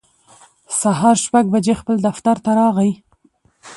سهار شپږ بجې خپل دفتر راغی